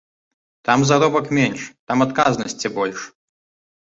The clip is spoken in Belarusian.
Там заробак менш, там адказнасці больш.